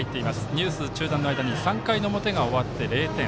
ニュース中断の間に３回の表が終わって０点。